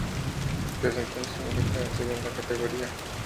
Desde entonces milita en la segunda categoría.